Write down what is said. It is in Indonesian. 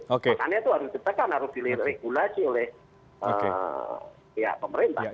makanya itu harus ditekan harus dilirikulasi oleh pemerintah